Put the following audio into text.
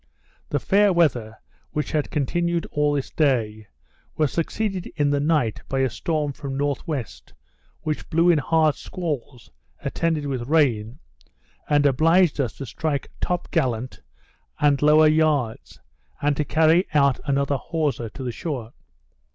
The fair weather, which had continued all this day, was succeeded in the night by a storm from north west, which blew in hard squalls, attended with rain, and obliged us to strike top gallant and lower yards, and to carry out another hawser to the shore.